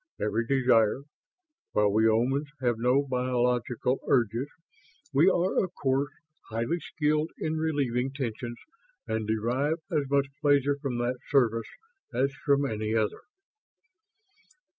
Every desire. While we Omans have no biological urges, we are of course highly skilled in relieving tensions and derive as much pleasure from that service as from any other."